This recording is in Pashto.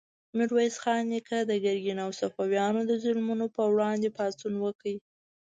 میرویس خان نیکه د ګرګین او صفویانو د ظلمونو په وړاندې پاڅون وکړ.